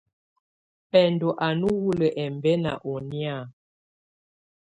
Bɔndɔ á nɔ̀ hulǝ́ ɛmbɛna ɔnɛ̀á.